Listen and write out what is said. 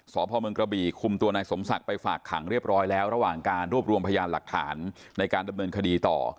สพเมืองกระบี่คุมตัวนายสมศักดิ์ไปฝากขังเรียบร้อยแล้วระหว่างการรวบรวมพยานหลักฐานในการดำเนินคดีต่อ